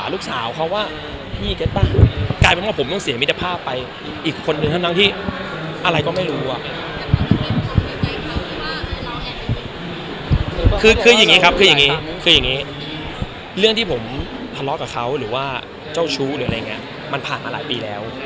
เรื่องที่ผมทะเลาะกับเขาหรือว่าเจ้าชู้มันผ่านมาหลายปีแล้ว